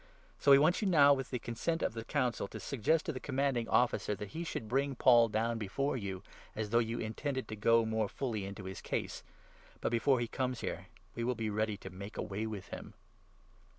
So we want you now, with the consent of the 15 Council, to suggest to the Commanding Officer that he should bring Paul down before you, as though you intended to go more fully into his case ; but, before he comes here, we will be ready to make away with him."